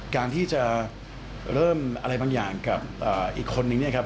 การที่จะเริ่มอะไรบางอย่างกับอีกคนนึงเนี่ยครับ